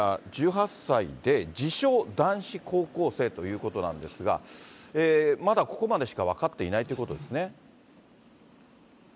いわゆる逮捕されたのが、１８歳で、自称男子高校生ということなんですが、まだここまでしか分かっていないということですね。